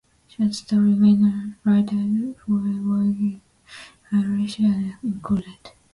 Short story writers whose work is in Irish are included.